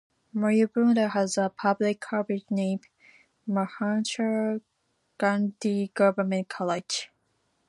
Mayabunder has a public college named Mahatma Gandhi Government College.